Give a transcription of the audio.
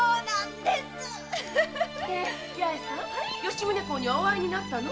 で吉宗公にはお会いになったの？